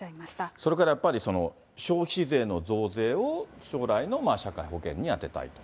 それからやっぱり消費税の増税を将来の社会保険に充てたいと。